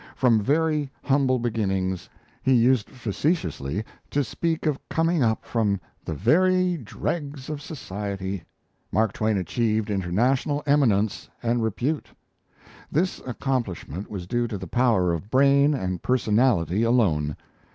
From very humble beginnings he used facetiously to speak of coming up from the "very dregs of society"! Mark Twain achieved international eminence and repute. This accomplishment was due to the power of brain and personality alone.